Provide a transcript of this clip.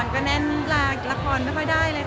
ก็แน่นลาละครไม่ค่อยได้เลยค่ะ